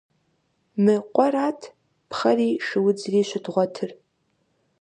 Мы къуэрат пхъэри шыудзри щыдгъуэтыр.